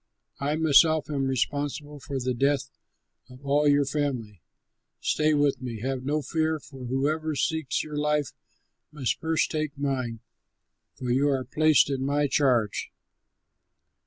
I myself am responsible for the death of all your family. Stay with me, have no fear, for whoever seeks your life must first take mine, for you are placed in my charge."